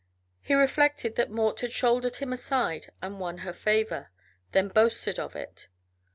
He reflected that Mort had shouldered him aside and won her favor, then boasted of it.